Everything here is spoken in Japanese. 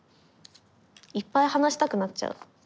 いっぱい話したくなっちゃう。